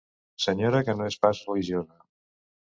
Senyora que no és pas religiosa.